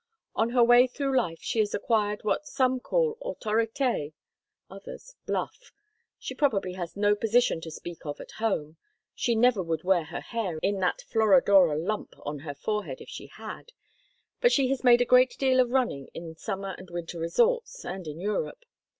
On her way through life she has acquired what some call autorité, others bluff. She probably has no position to speak of at home—she never would wear her hair in that Florodora lump on her forehead if she had—but she has made a great deal of running in summer and winter resorts, and in Europe.